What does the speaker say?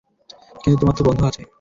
কিন্তু তোমার তো বন্ধু আছে!